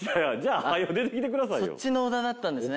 そっちのオダだったんですね